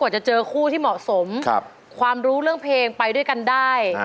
จะเจอคู่ที่เหมาะสมความรู้เรื่องเพลงไปด้วยกันได้